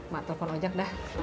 mak tolpon aja dah